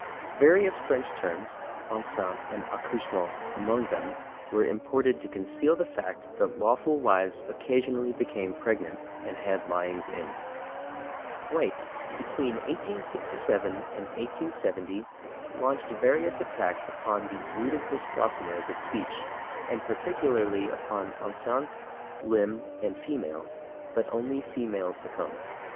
Various French terms, /enceinte/ and /accouchement/ among them, were imported to conceal the fact that lawful wives occasionally became pregnant and had lyings in. White, between 1867 and 1870, launched various attacks upon these ludicrous gossamers of speech, and particularly upon /enceinte/, /limb/ and /female/, but only /female/ succumbed.